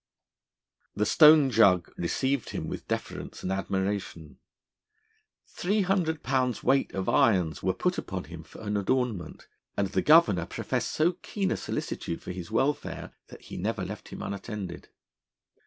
The Stone Jug received him with deference and admiration. Three hundred pounds weight of irons were put upon him for an adornment, and the Governor professed so keen a solicitude for his welfare that he never left him unattended.